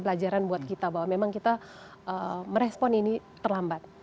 pelajaran buat kita bahwa memang kita merespon ini terlambat